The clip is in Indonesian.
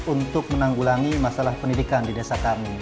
untuk menanggulangi masalah pendidikan di desa kami